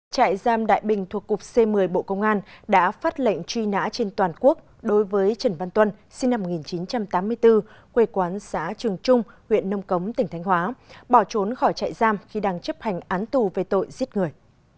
trại giam đại bình thuộc cục c một mươi bộ công an đã phát lệnh truy nã trên toàn quốc đối với trần văn tuân sinh năm một nghìn chín trăm tám mươi bốn quê quán xã trường trung huyện nông cống tỉnh thánh hóa bỏ trốn khỏi trại giam khi đang chấp hành án tù về tội giết người